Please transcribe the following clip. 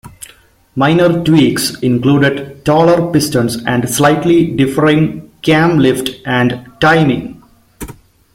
Minor tweaks included taller pistons and slightly differing cam lift and timing.